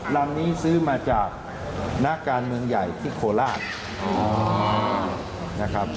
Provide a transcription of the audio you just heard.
ลำนี้ซื้อมาจากนักการเมืองใหญ่ที่โคราชนะครับ